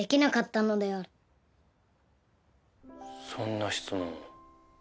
そんな質問を。